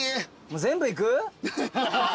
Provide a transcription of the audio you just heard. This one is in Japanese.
全部行く？